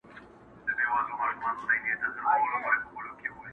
ما پر سترګو د ټولواک امر منلی!